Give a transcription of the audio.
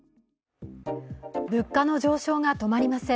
物価の上昇が止まりません。